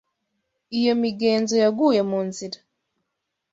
Iyo migenzo yaguye munzira.